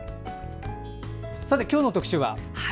さて、今日の特集は？